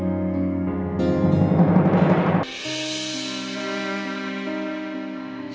ketemu sama ibu pola ke patung